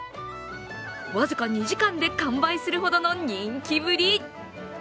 僅か２時間で完売するほどの人気ぶり。